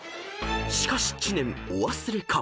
［しかし知念お忘れか？］